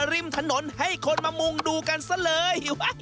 ริมถนนให้คนมามุ่งดูกันซะเลย